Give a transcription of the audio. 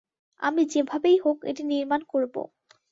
আমি যেভাবেই হোক এটি নির্মাণ করব।